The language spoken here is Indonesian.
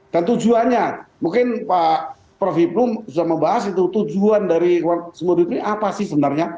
dan tujuannya mungkin pak prof hiprum sudah membahas itu tujuan dari seumur hidup ini apa sih sebenarnya